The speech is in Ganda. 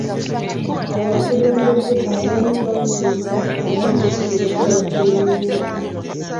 Abakulembeze abamu babuulira abantu bye basazeewo.